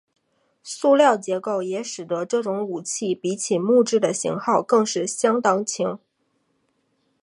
塑料结构也使得这种武器比起木制的型号更是相当轻。